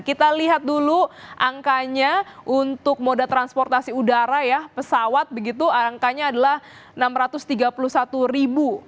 kita lihat dulu angkanya untuk moda transportasi udara ya pesawat begitu angkanya adalah enam ratus tiga puluh satu ribu